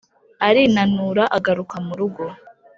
arinanura agaruka mu rugo.